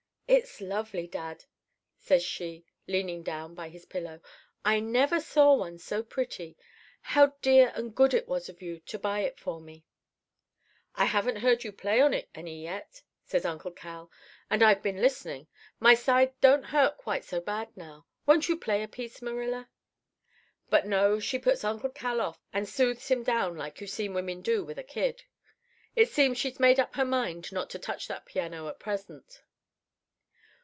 "'It's lovely, dad,' says she, leaning down by his pillow; 'I never saw one so pretty. How dear and good it was of you to buy it for me!' "'I haven't heard you play on it any yet,' says Uncle Cal; 'and I've been listening. My side don't hurt quite so bad now—won't you play a piece, Marilla?' "But no; she puts Uncle Cal off and soothes him down like you've seen women do with a kid. It seems she's made up her mind not to touch that piano at present.